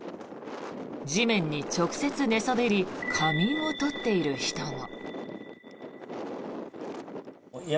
地面に直接寝そべり仮眠を取っている人も。